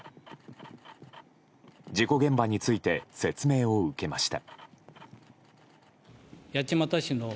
事故現場について説明を受けました。